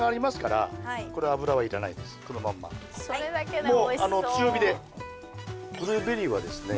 このまんまもう強火でブルーベリーはですね